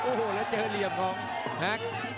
โอ้โหแล้วเจอเหลี่ยมของแพ็ค